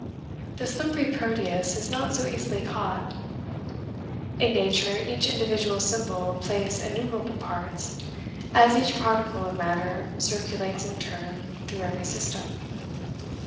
The slippery Proteus is not so easily caught. In nature, each individual symbol plays innumerable parts, as each particle of matter circulates in turn through every system.